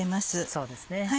そうですね。